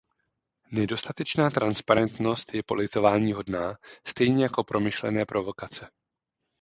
Nedostatečná transparentnost je politováníhodná, stejně jako promyšlené provokace.